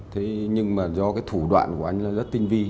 thế nhưng mà do cái thủ đoạn của anh là rất tinh vi